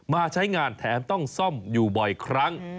ใช้งานแถมต้องซ่อมอยู่บ่อยครั้ง